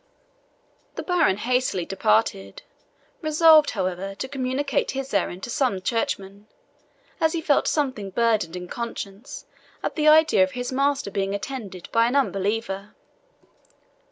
The baron hastily departed, resolved, however, to communicate his errand to some churchman, as he felt something burdened in conscience at the idea of his master being attended by an unbeliever.